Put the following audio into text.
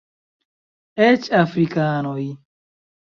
Eĉ afrikanoj!